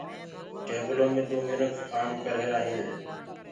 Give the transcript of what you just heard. ٽيبلو مي دو منک ڪآم ڪرريهرآ هين